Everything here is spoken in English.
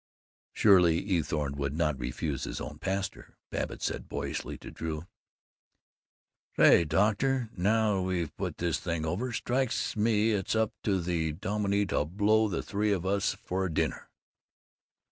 Surely Eathorne would not refuse his own pastor. Babbitt said boyishly to Drew: "Say, doctor, now we've put this thing over, strikes me it's up to the dominie to blow the three of us to a dinner!"